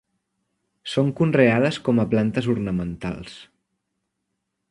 Són conreades com a plantes ornamentals.